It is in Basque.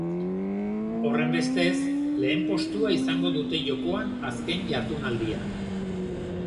Horrenbestez, lehen postua izango dute jokoan azken jardunaldian.